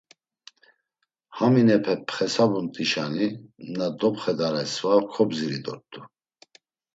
Haminepe pxesabumt̆işani na dopxedare sva kobziri dort̆u.